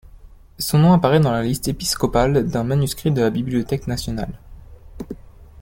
Son nom apparaît dans la liste épiscopale d’un manuscrit du de la Bibliothèque nationale.